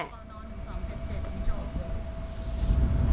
โอปอล์นอน๑๒๗๗มีจบ